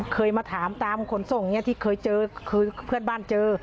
เคยมาถามตามคนทรงที่เคยเจอเพื่อนบ้านเจอ